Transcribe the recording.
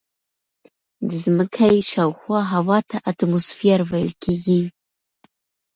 د ځمکې شاوخوا هوا ته اتموسفیر ویل کیږي.